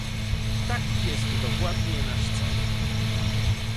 Taki jest dokładnie nasz cel